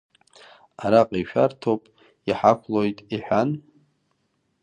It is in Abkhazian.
Араҟа ишәарҭоуп, иҳақәлоит, — иҳәан…